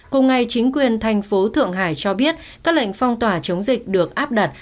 cùng ngày chính quyền thành phố thượng hải cho biết các lệnh phong tỏa chống dịch được áp đặt